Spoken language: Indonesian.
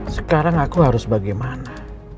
sekarang aku harus bagaimana